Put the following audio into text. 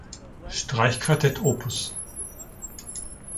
Streichquartett" op.